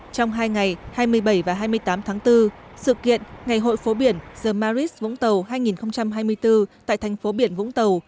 trong hai ngày hai mươi bảy và hai mươi tám tháng bốn sự kiện ngày hội phố biển the marist vũng tàu hai nghìn hai mươi bốn tại thành phố biển vũng tàu